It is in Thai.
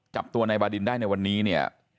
จับตัวนายบาดินได้ในวันนี้เนี่ย